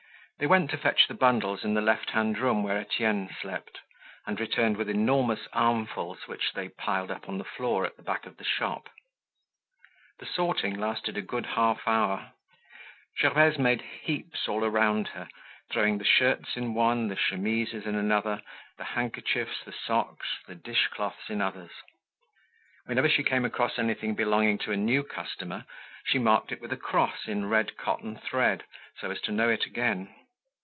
They went to fetch the bundles in the left hand room where Etienne slept, and returned with enormous armfuls which they piled up on the floor at the back of the shop. The sorting lasted a good half hour. Gervaise made heaps all round her, throwing the shirts in one, the chemises in another, the handkerchiefs, the socks, the dish cloths in others. Whenever she came across anything belonging to a new customer, she marked it with a cross in red cotton thread so as to know it again.